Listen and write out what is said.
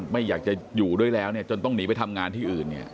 ไม่อยากจะอยู่ด้วยแล้วจนต้องหนีไปทำงานที่อื่น